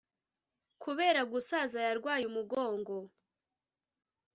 kubera gusaza yarwaye umugongo